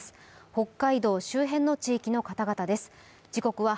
北海道周辺の地域の方々です。